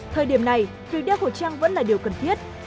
thời điểm này việc đeo khẩu trang vẫn là điều cần thiết